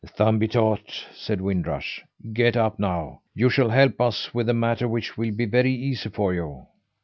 "Thumbietot," said Wind Rush, "get up now! You shall help us with a matter which will be very easy for you."